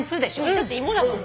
だって芋だもん。